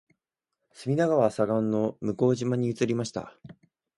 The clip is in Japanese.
隅田川左岸の向島に移りました